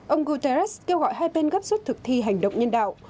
ông guterres kêu gọi hai bên gấp suất thực thi hành động nhân đạo